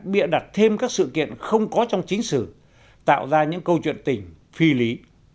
bịa đặt thêm các sự kiện không có trong chính xử tạo ra những câu chuyện tình phi lý